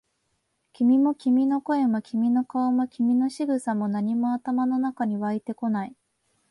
君も、君の声も、君の顔も、君の仕草も、何も頭の中に湧いてこない。